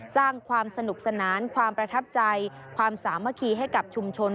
สร้างความสนุกสนานความประทับใจความสามัคคีให้กับชุมชน